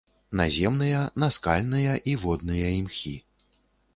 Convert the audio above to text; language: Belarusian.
Наземныя, наскальныя і водныя імхі.